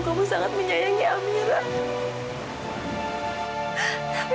kamu sangat menyayangi amira